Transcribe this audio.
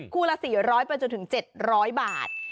คู่ละ๔๐๐๗๐๐บาท